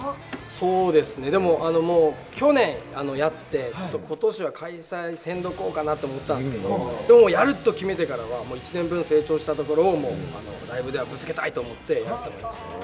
そうですね、でも去年やって、ことしは開催せんとこうかなと思ったんですけれども、やると決めてからは１年分成長したところをライブでぶつけたいと思って、やらせていただきました。